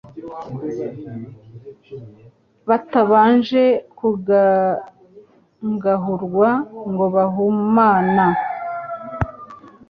batabanje kugangahurwa, ngo bahumana